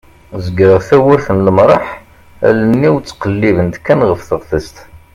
zegreɣ tawwurt n lemraḥ allen-iw ttqellibent kan ɣef teɣtest